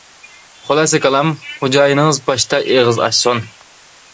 خۇلاسە كالام: خوجايىنىڭىز باشتا ئېغىز ئاچسۇن.